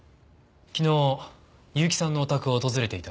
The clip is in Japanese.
昨日結城さんのお宅を訪れていた女性の話では。